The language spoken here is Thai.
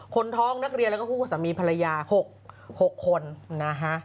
คนท้องนักเรียนแล้วก็คู่สามีภรรยา๖คนนะฮะ